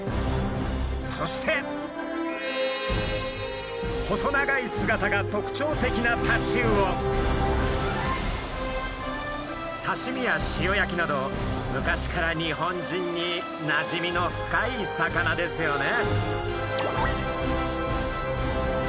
そして細長い姿が特徴的なさしみや塩焼きなど昔から日本人になじみの深い魚ですよね。